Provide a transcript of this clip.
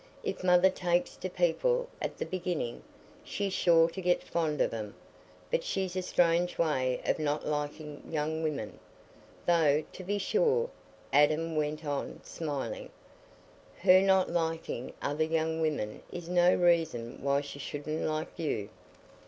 If mother takes to people at the beginning, she's sure to get fond of 'em; but she's a strange way of not liking young women. Though, to be sure," Adam went on, smiling, "her not liking other young women is no reason why she shouldn't like you."